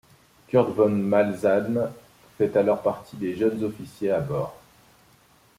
Curt von Maltzahn fait alors partie des jeunes officiers à bord.